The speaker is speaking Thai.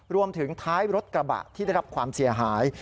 ท้ายรถกระบะที่ได้รับความเสียหาย